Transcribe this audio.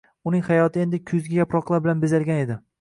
Uning hayoti endi kuzgi yaproqlar bilan bezalgan edi.